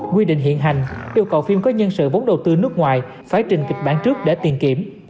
quy định hiện hành yêu cầu phim có nhân sự vốn đầu tư nước ngoài phải trình kịch bản trước để tiền kiểm